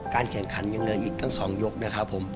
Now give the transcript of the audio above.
การแข่งขันยังเหนืออีกทั้งสองยกนะครับผม